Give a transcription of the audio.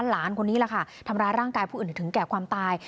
หลานคนนี้แหละค่ะทำร้ายร่างกายผู้อื่นถึงแก่ความตาย